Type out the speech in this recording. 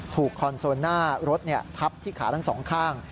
คอนโซลหน้ารถทับที่ขาทั้งสองข้าง